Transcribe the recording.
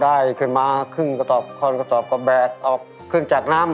เอาไปขึ้นมาครึ่งกระดอกคอนกระดอกก็แบกออกขึ้นจากน้ำ